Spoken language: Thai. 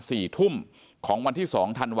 แล้วก็ช่วยกันนำนายธีรวรรษส่งโรงพยาบาล